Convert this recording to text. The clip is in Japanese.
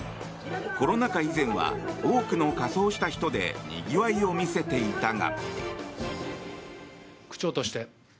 コロナ禍以前は多くの仮装した人でにぎわいを見せていたが。